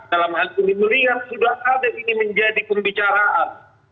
dalam hal pembunuh yang sudah ada ini menjadi pembicaraan